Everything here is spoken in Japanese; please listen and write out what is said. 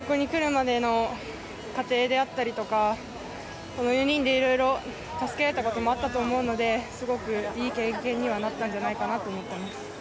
チームの目標は達成できなかったんですけどここに来るまでの過程であったりとか４人でいろいろ助け合えたこともあったと思うのですごくいい経験にはなったんじゃないかなと思っています。